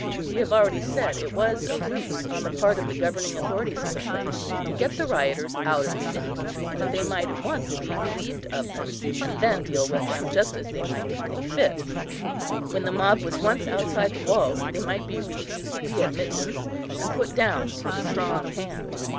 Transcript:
We have already said it was a ruse on the part of the governing authorities of the place to get the rioters out of the city, that they might at once be relieved of them, and then deal with them just as they might think fit. When the mob was once outside the walls, they might be refused re admittance, and put down with a strong hand.